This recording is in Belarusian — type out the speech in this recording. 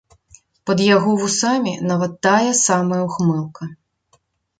Пад яго вусамі нават тая самая ўхмылка.